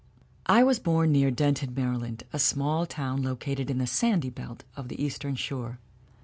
... "I was born near Denton, Maryland, a small town located in the 'sandy belt' of the Eastern Shore.